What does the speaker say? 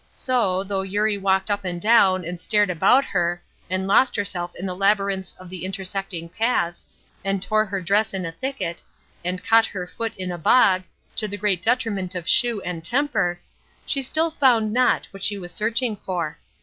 So, though Eurie walked up and down, and stared about her, and lost herself in the labyrinths of the intersecting paths, and tore her dress in a thicket, and caught her foot in a bog, to the great detriment of shoe and temper, she still found not what she was searching for.